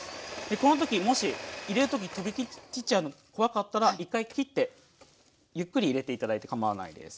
この時もし入れる時飛び散っちゃうの怖かったら１回切ってゆっくり入れて頂いてかまわないです。